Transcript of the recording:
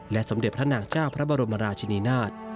สมเด็จพระนางเจ้าพระบรมราชินีนาฏ